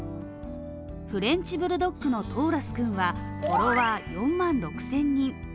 フレンチブルドックのトーラス君はフォロワー４万６０００人。